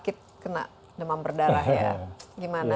sakit kena demam berdarah ya gimana